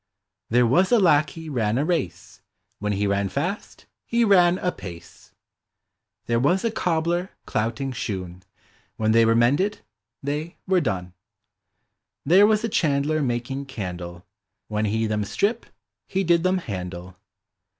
There was a lackey ran a race. When he ran fast, he ran apace. There was a cobbler clouting shoou, When they were mended, they were done. There was a chandler making candle. When he them strip, he did them handle.